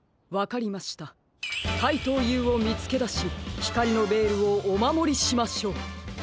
かいとうＵをみつけだしひかりのベールをおまもりしましょう。